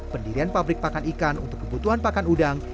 pendirian pabrik pakan ikan untuk kebutuhan pakan udang